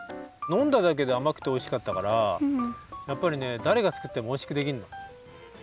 のんだだけであまくておいしかったからやっぱりねだれが作ってもおいしくできるの。